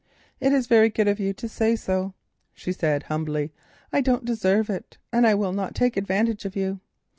"It is very good of you to say so," she said humbly. "I don't deserve it, and I will not take advantage of you.